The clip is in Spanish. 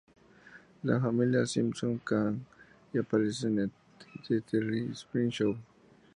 La familia Simpson y Kang aparecen en "The Jerry Springer Show".